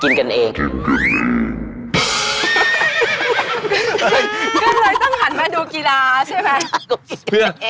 ก็เลยต้องหันมาดูกีฬาใช่ไหม